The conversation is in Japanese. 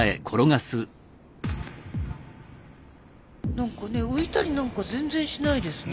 何かね浮いたりなんか全然しないですね。